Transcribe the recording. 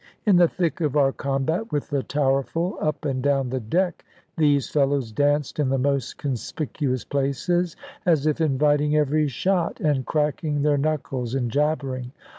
In the thick of our combat with the Towerful, up and down the deck these fellows danced in the most conspicuous places, as if inviting every shot, and cracking their knuckles and jabbering.